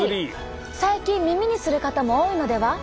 最近耳にする方も多いのでは？